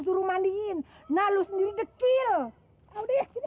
suruh mandiin nah lu sendiri dekil